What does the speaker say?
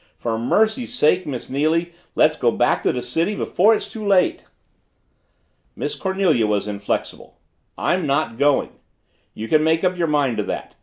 "For mercy's sake, Miss Neily, let's go back to the city before it's too late!" Miss Cornelia was inflexible. "I'm not going. You can make up your mind to that.